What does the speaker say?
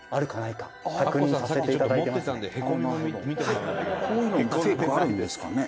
「こういうのもフェイクあるんですかね？」